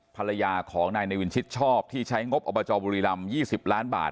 ภรรยาของนายเนวินชิดชอบที่ใช้งบอบจบุรีรำ๒๐ล้านบาท